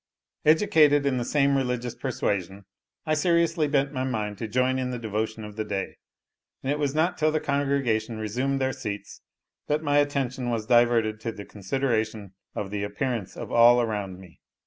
Educated in the same religious persuasion, I seriously bent my mind to join in the devotion of the day; and it was not till the congregation resumed their seats, that my attention was diverted to the consideration of the appearance of all around me.